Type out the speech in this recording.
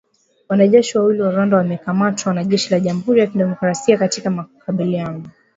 wanajeshi wawili wa Rwanda wamekamatwa na jeshi la jamuhuri ya kidemokrasaia ya Kongo katika makabiliano